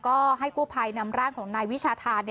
ก็ให้กู้ภัยนำร่างของนายวิชาธา